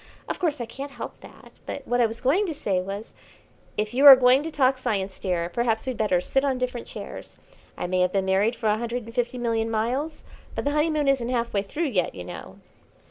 Of course I can't help that, but what I was going to say was " "If you are going to talk science, dear, perhaps we'd better sit on different chairs. I may have been married for a hundred and fifty million miles, but the honeymoon isn't half way through yet, you know."